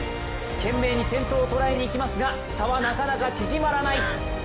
懸命に銭湯を捉えにいきますが差はなかなか縮まらない。